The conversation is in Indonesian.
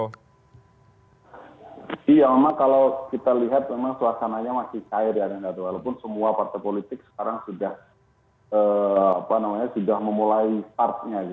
iya memang kalau kita lihat memang suasananya masih cair ya renat walaupun semua partai politik sekarang sudah memulai startnya